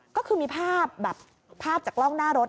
ก็คือมีภาพจากกล้องหน้ารถ